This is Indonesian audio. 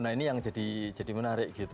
nah ini yang jadi menarik gitu